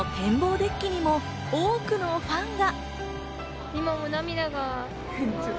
デッキにも多くのファンが。